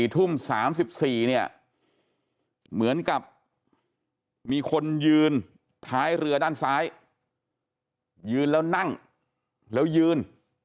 ทุ่ม๓๔เนี่ยเหมือนกับมีคนยืนท้ายเรือด้านซ้ายยืนแล้วนั่งแล้วยืน